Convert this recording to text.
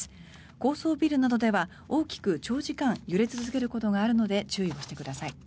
高層ビルなどでは大きく長時間揺れ続けることがあるので注意をしてください。